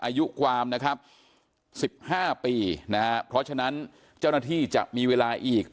อายุความนะครับ๑๕ปีนะฮะเพราะฉะนั้นเจ้าหน้าที่จะมีเวลาอีก